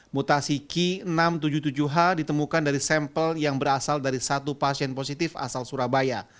mutasi ki enam ratus tujuh puluh tujuh h ditemukan dari sampel yang berasal dari satu pasien positif asal surabaya